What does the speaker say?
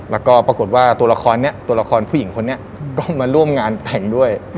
แล้วก็ปรากฏว่าตัวละครนี้ตัวละครผู้หญิงคนนี้ก็มาร่วมงานแต่งด้วย